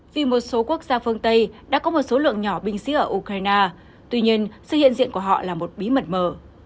vì một số quốc gia phương tây đã có một số lượng nhỏ binh sĩ ở ukraine tuy nhiên sự hiện diện của họ là một bí mật mờ